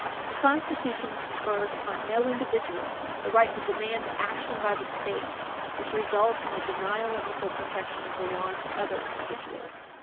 The Constitution confers upon no individual the right to demand action by the State which results in the denial of equal protection of the laws to other individuals.